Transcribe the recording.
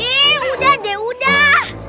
eh udah deh udah